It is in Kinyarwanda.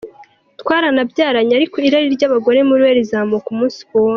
Twaranabyaranye ariko irari ry’abagore muri we rizamuka umunsi ku wundi.